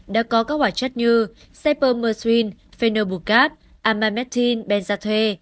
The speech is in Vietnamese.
đã có các hỏa chất như cypermercine phenobucat amametin benzathue